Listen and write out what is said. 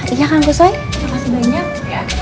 iya kang kusoi terima kasih banyak